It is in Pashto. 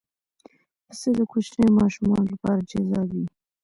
پسه د کوچنیو ماشومانو لپاره جذاب وي.